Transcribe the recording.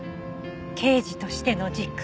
刑事としての軸。